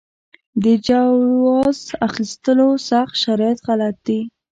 د جواز اخیستلو سخت شرایط غلط دي.